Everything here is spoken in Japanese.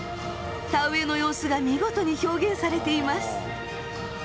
田植えの様子が見事に表現されています。